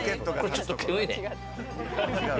ちょっと煙いね。